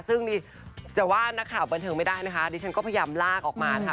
ซึ่งนี่จะว่านักข่าวบันเทิงไม่ได้นะคะดิฉันก็พยายามลากออกมาค่ะ